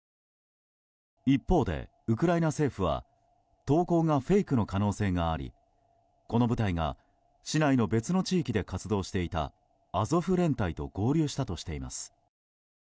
一方で、ウクライナ政府は投稿がフェイクの可能性がありこの部隊が市内の別の地域で活動していたアゾフ連隊と合流したとしています。